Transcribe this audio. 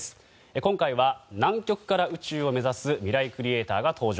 今回は南極から宇宙を目指すミライクリエイターが登場。